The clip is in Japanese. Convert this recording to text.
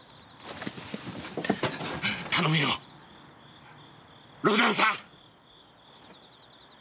頼むよロダンさん！